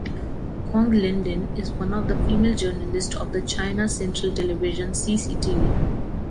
Kong Linlin is one of the female journalists of the China Central Television (CCTV).